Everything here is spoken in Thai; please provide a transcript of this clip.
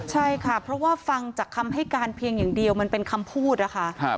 ใช่ค่ะเพราะว่าฟังจากคำให้การเพียงอย่างเดียวมันเป็นคำพูดนะคะ